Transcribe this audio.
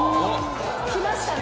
来ましたね。